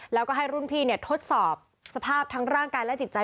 แล้วก็ให้รุ่นพี่ทดสอบสภาพทั้งร่างกายและจิตใจ